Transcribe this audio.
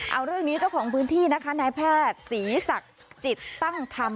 เอาเรื่องนี้เจ้าของพื้นที่นะคะนายแพทย์ศรีศักดิ์จิตตั้งธรรม